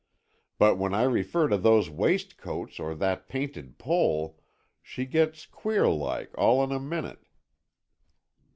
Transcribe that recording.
But when I refer to those waistcoats or that painted pole, she gets queer like all in a minute."